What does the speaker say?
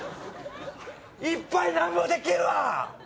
いっぱいなんもできるわ！